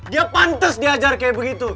dia pantas diajar kayak begitu